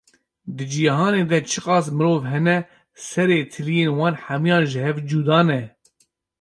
Di cîhanê de çiqas mirov hene, serê tiliyên wan hemiyan ji hev cuda ne!